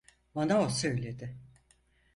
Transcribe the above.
Bana o söyledi.